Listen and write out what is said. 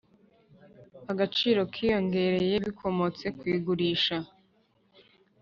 Agaciro kiyongereye bikomotse ku igurisha